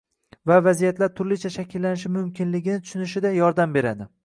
va vaziyatlar turlicha shakllanishi mumkinligini tushunishida yordam beradi.